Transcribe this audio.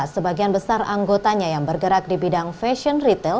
sebagian besar anggotanya yang bergerak di bidang fashion retail